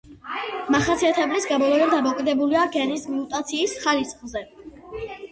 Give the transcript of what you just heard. მახასიათებლის გამოვლენა დამოკიდებულია გენის მუტაციის ხარისხზე.